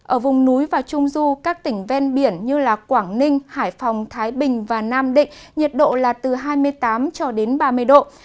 ở vùng núi và trung du các tỉnh ven biển như quảng ninh hải phòng thái bình và nam định nhiệt độ là từ hai mươi tám cho đến ba mươi độ